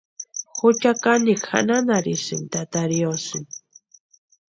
Jucha kanikwa janhanharhisïnka tata riosïni.